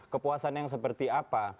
kepuasan yang seperti apa